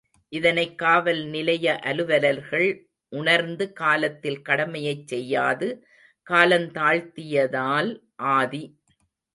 இதனைக் காவல்நிலைய அலுவலர்கள் உணர்ந்து காலத்தில் கடமையைச் செய்யாது காலந்தாழ்த்தியதால் ஆதி.